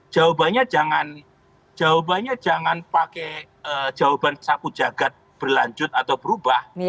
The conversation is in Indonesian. jawabannya jangan pakai jawaban saku jagad berlanjut atau berubah